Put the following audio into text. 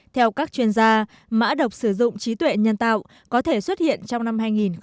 theo các chuyên gia mã độc sử dụng trí tuệ nhân tạo có thể xuất hiện trong năm hai nghìn một mươi chín